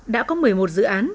đã có một mươi một dự án